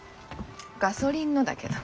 ガソリンのだけど。